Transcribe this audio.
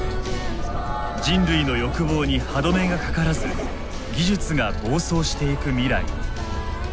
人類の欲望に歯止めがかからず技術が暴走していく未来。